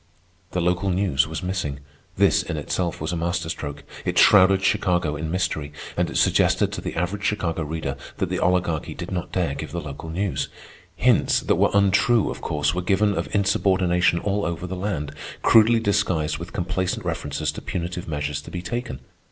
The local news was missing. This in itself was a masterstroke. It shrouded Chicago in mystery, and it suggested to the average Chicago reader that the Oligarchy did not dare give the local news. Hints that were untrue, of course, were given of insubordination all over the land, crudely disguised with complacent references to punitive measures to be taken.